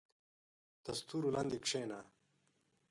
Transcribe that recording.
• د ستورو لاندې کښېنه.